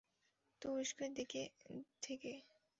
তুরস্কের দিক থেকে।